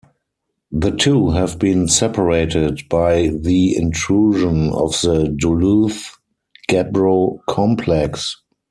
The two have been separated by the intrusion of the Duluth Gabbro complex.